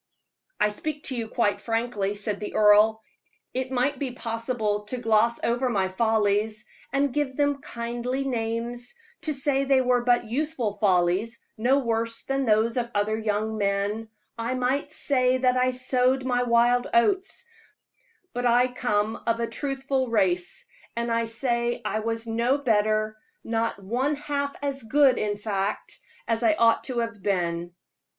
"I speak to you quite frankly," said the earl. "It might be possible to gloss over my follies, and give them kindly names to say they were but youthful follies, no worse than those of other young men: I might say that I sowed my wild oats; but I come of a truthful race, and I say I was no better not one half as good, in fact, as I ought to have been.